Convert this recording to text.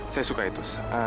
saya suka itu